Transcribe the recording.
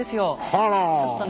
あら！